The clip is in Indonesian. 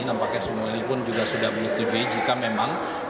nampaknya sri mulyani pun juga sudah beli tv jika memang